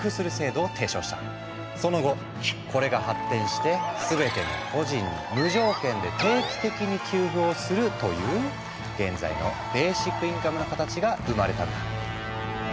その後これが発展して「すべての個人に」「無条件で」「定期的に給付」をするという現在のベーシックインカムの形が生まれたんだ。